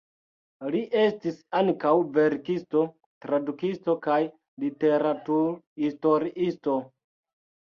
Li estis ankaŭ verkisto, tradukisto kaj literaturhistoriisto.